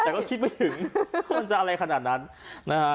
แต่ก็คิดไม่ถึงว่ามันจะอะไรขนาดนั้น